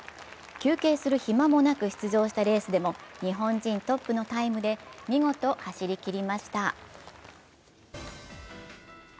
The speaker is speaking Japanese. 休憩する暇もなく出場したレースでも、日本新トップのタイムで見事、走りきりました。